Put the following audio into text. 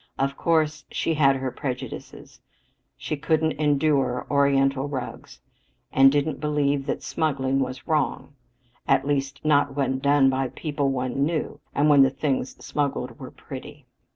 Of course, she had her prejudices. She couldn't endure Oriental rugs, and didn't believe that smuggling was wrong; at least, not when done by the people one knew and when the things smuggled were pretty.